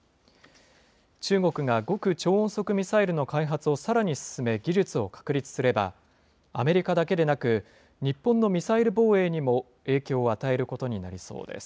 中国が極超音速ミサイルの開発をさらに進め、技術を確立すれば、アメリカだけでなく、日本のミサイル防衛にも影響を与えることになりそうです。